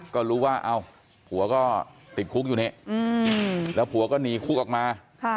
ก็รู้ว่าเอ้าผัวก็ติดคุกอยู่นี่แล้วผัวก็หนีคุกออกมา